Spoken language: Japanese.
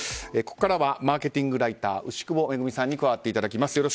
ここからはマーケティングライター牛窪恵さんに加わっていただきます。